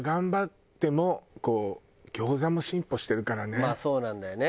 あとまあそうなんだよね。